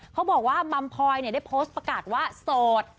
เขาบอกว่ามัมพลอยได้โพสต์ประกาศว่าโสด